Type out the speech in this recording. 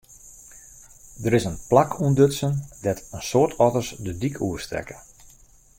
Der is in plak ûntdutsen dêr't in soad otters de dyk oerstekke.